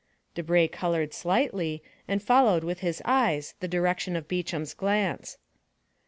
Debray colored slightly, and followed with his eyes the direction of Beauchamp's glance.